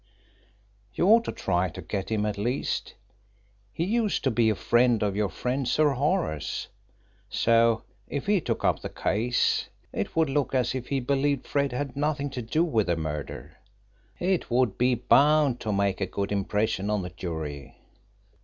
You ought to try to get him, at least. He used to be a friend of your friend Sir Horace, so if he took up the case it would look as if he believed Fred had nothing to do with the murder. It would be bound to make a good impression on the jury."